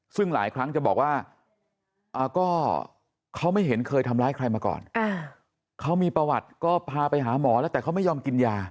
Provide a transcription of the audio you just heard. ซึ่งหลายครั้งจะบอกว่าก็เขาไม่เห็นเคยทำร้ายใครมาก่อนเขามีประวัติก็พาไปหาหมอแล้วแต่เขาไม่ยอมกินยา